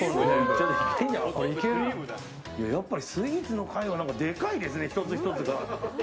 やっぱりスイーツの回はでかいですね、１つ１つが。